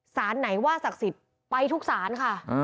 สารไหนว่าศักดิ์สิทธิ์ไปทุกศาลค่ะ